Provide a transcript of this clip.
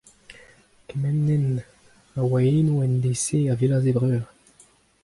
Kement den a oa eno en deiz-se a welas he breur.